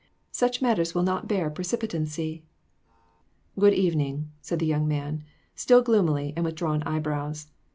"Such matters will not bear precipitancy." "Good evening," said the young man, still gloomily, and with drawn eyebrows.